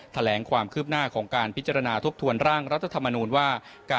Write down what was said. แถลงความคืบหน้าของการพิจารณาทบทวนร่างรัฐธรรมนูญว่า